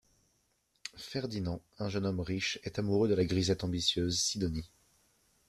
Ferdinand, un jeune homme riche est amoureux de la grisette ambitieuse Sydonie.